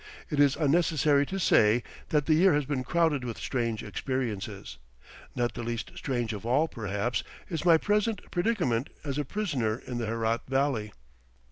It is unnecessary to say that the year has been crowded with strange experiences. Not the least strange of all, perhaps, is my present predicament as a prisoner in the Herat Valley.